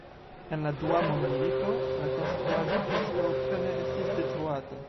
En la Dua Mondmilito la konstruaĵo preskaŭ plene estis detruata.